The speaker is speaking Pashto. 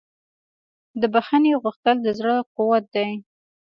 د بښنې غوښتل د زړه قوت دی.